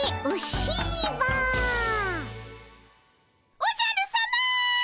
おじゃるさま。